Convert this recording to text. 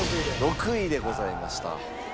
６位でございました。